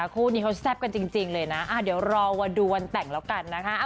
คู่นี้เขาแซ่บกันจริงเลยนะเดี๋ยวรอวันดูวันแต่งแล้วกันนะคะ